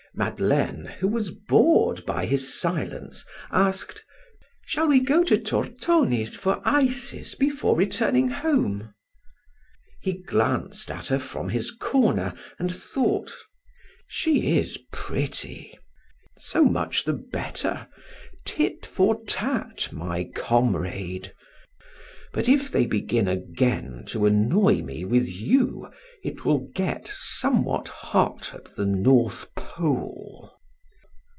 Madeleine, who was bored by his silence, asked: "Shall we go to Tortoni's for ices before returning home?" He glanced at her from his corner and thought: "She is pretty; so much the better. Tit for tat, my comrade. But if they begin again to annoy me with you, it will get somewhat hot at the North Pole!"